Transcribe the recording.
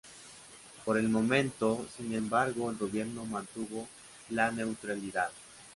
Por el momento, sin embargo, el Gobierno mantuvo la neutralidad.